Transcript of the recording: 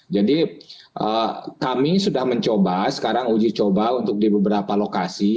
jadi kami sudah mencoba sekarang uji coba untuk di beberapa lokasi